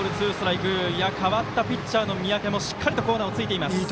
代わったピッチャーの三宅もしっかりとコーナーついています。